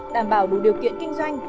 đảm bảo đủ điều kiện kinh doanh